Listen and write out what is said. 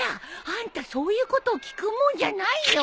あんたそういうことを聞くもんじゃないよ。